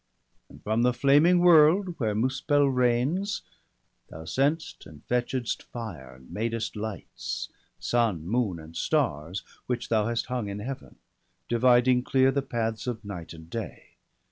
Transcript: And from the flaming world, where Muspel reigns, Thou sent'st and fetched'st fire, and madest lights. Sun, moon, and stars, which thou hast hung in Heaven, Dividing clear the paths of night and day.